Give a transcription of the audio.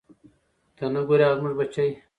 ته نه ګورې هغه زموږ بچی.